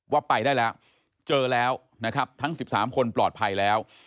ว่าไปได้แล้วเจอแล้วนะครับทั้ง๑๓คนปลอดภัยแล้ว